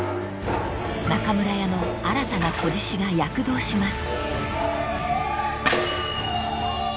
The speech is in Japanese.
［中村屋の新たな仔獅子が躍動します］